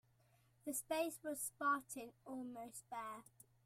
The space was spartan, almost bare.